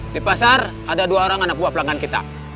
di pasar ada dua orang anak buah pelanggan kita